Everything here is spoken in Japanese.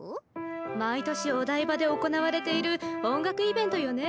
毎年お台場で行われている音楽イベントよね。